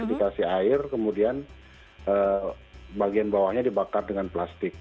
dikasih air kemudian bagian bawahnya dibakar dengan plastik